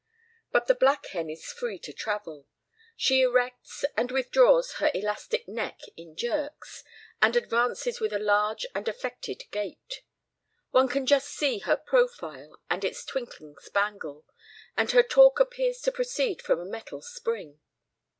But the black hen is free to travel. She erects and withdraws her elastic neck in jerks, and advances with a large and affected gait. One can just see her profile and its twinkling spangle, and her talk appears to proceed from a metal spring.